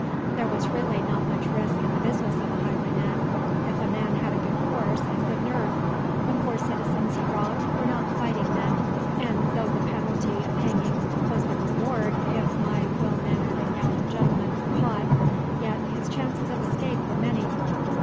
There was really not much risk in the business of a highwayman, if a man had a good horse and good nerve. The poor citizens he robbed were not fighting men, and though the penalty of hanging was the award if my well mannered and gallant gentleman were caught, yet his chances of escape were many.